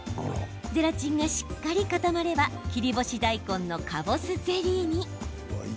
ゼラチンがしっかり固まれば切り干し大根のかぼすゼリーに。